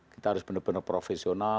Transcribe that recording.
kita harus benar benar profesional